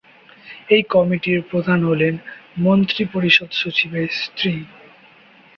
এই কমিটির প্রধান হলেন মন্ত্রিপরিষদ সচিবের স্ত্রী।